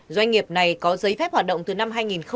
doanh nghiệp này có giấy phép hoạt động từ năm hai nghìn một mươi